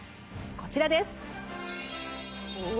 こちらです！